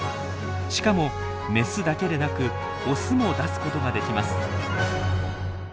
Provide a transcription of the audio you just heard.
しかもメスだけでなくオスも出すことができます。